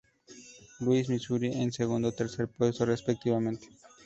Louis, Misuri en segundo y tercer puesto respectivamente.